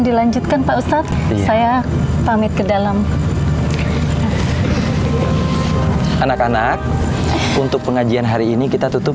dilanjutkan pak ustadz saya pamit ke dalam anak anak untuk pengajian hari ini kita tutup